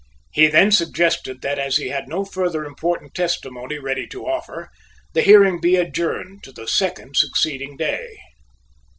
He then suggested that as he had no further important testimony ready to offer the hearing be adjourned to the second succeeding day.